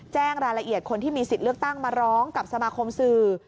แจ้งรายละเอียดคนที่มีสิทธิ์เลือกตั้งมาร้องกับสมาคมสื่อ